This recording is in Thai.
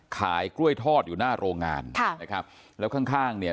ขายกล้วยทอดอยู่หน้าโรงงานค่ะนะครับแล้วข้างข้างเนี่ย